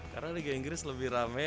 karena liga inggris lebih rame